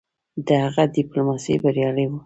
د هغه ډيپلوماسي بریالی وه.